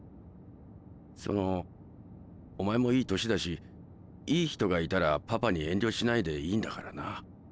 そのお前もいい年だしいい人がいたらパパに遠慮しないでいいんだからな。